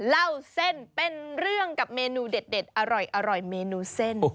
เล่าเส้นเป็นเรื่องกับเมนูเด็ดอร่อยเมนูเส้น